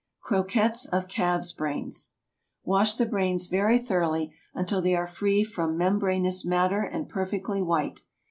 CROQUETTES OF CALF'S BRAINS. Wash the brains very thoroughly until they are free from membranous matter and perfectly white.